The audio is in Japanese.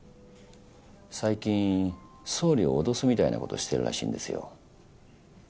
最近総理を脅すみたいなことしてるらしいんですよ。